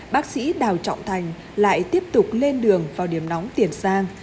bác sĩ đào trọng thành lại tiếp tục lên đường vào điểm nóng tiền sang